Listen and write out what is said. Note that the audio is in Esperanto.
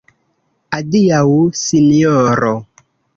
Adiaŭ, Sinjoro!